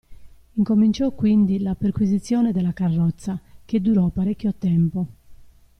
Incominciò quindi la perquisizione della carrozza, che durò parecchio tempo.